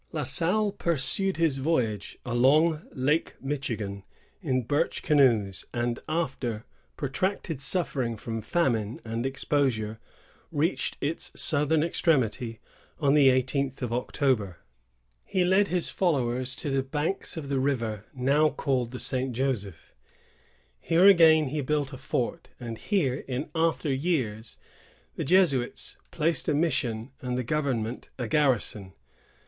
La Salle pursued his voyage along Lake Michigan in birch canoes, and after protracted suffering from famine and exposure reached its southern extremity on the eighteenth of October. He led his followers to the banks of the river now called the St. Joseph. Here, again, he built a fort; and here, in after years, the Jesuits placed a mission and the government a garrison.